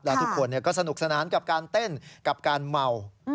แล้วทุกคนก็สนุกสนานกับการเต้นกับการเมา